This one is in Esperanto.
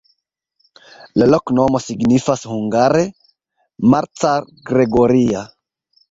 La loknomo signifas hungare: Marcal-Gregoria.